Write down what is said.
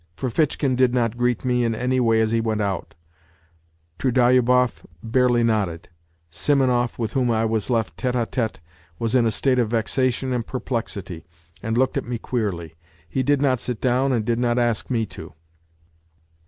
Ferfitchkin did not greet me in any way as he went out, Trudolyubov barely nodded. Simonov, with whom I was left tete d tSte, was in a state of vexation and perplexity, and looked at me queerly. He did not sit down and did not ask me to.